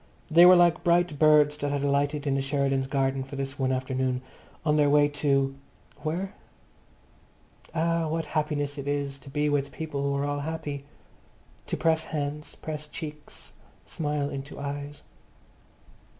They were like bright birds that had alighted in the Sheridans' garden for this one afternoon, on their way to—where? Ah, what happiness it is to be with people who all are happy, to press hands, press cheeks, smile into eyes.